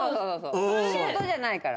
仕事じゃないから。